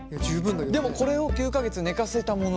でもこれを９か月寝かせたものが。